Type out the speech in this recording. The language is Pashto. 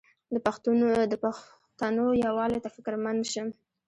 د پښتنو یووالي ته فکرمند شم.